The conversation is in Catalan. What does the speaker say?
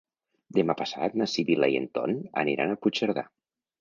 Demà passat na Sibil·la i en Ton aniran a Puigcerdà.